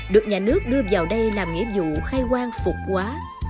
được nhà nước đưa vào đây làm nghĩa vụ khai quang phục quá